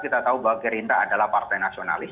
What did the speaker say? kita tahu bahwa gerindra adalah partai nasionalis